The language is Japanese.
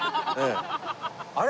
あれ？